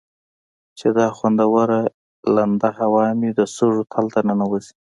چې دا خوندوره لنده هوا مې د سږو تل ته ننوځي.